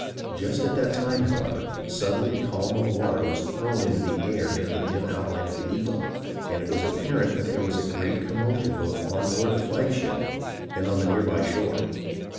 Just at that time, however, suddenly a column of water was thrown into the air near the dim outline of the Eagle, and it was apparent that there was a great commotion both on board the flagship and on the near by shore.